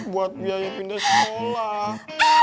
buat biaya pindah sekolah